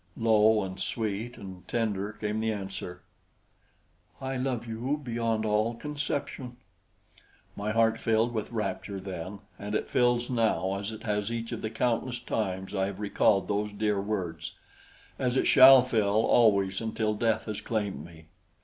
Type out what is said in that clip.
Low and sweet and tender came the answer: "I love you beyond all conception." My heart filled with rapture then, and it fills now as it has each of the countless times I have recalled those dear words, as it shall fill always until death has claimed me.